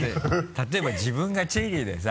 例えば自分がチェリーでさ